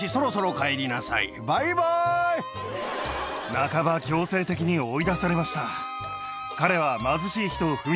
半ば強制的に追い出されました。